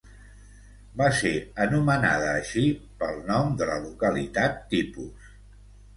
Va ser anomenada així pel nom de la localitat tipus.